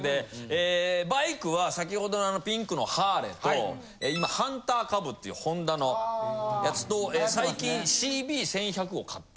えバイクは先ほどのピンクのハーレーと今ハンターカブっていうホンダのやつと最近ＣＢ１１００を買って。